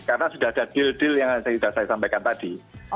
karena sudah ada deal deal yang sudah saya sampaikan tadi